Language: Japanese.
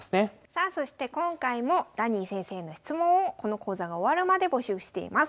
さあそして今回もダニー先生への質問をこの講座が終わるまで募集しています。